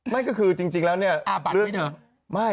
ไม่ก็คือจริงแล้วเนี่ย